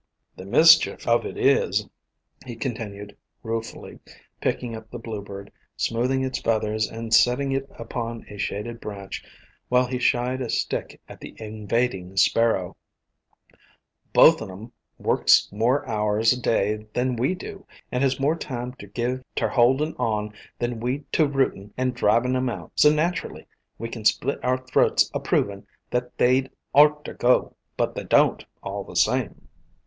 A COMPOSITE FAMILY 247 "The mischief of it is," he continued, ruefully, picking up the bluebird, smoothing its feathers, and setting it upon a shaded branch, while he shied a stick at the invading sparrow, "both on 'm works more hours a day than we do, and has more time ter give ter holdin' on than we to rootin' and drivin' 'em out. So naturally we can split our throats a provin' that they 'd orter go, but they don't, all the same!"